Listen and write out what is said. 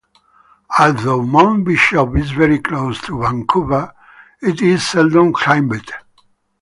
Although Mount Bishop is very close to Vancouver, it is seldom climbed.